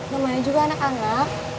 namanya juga anak anak